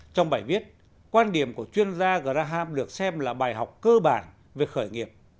trong bài viết quan điểm của chuyên gia graham được xem là bài học cơ bản về khởi nghiệp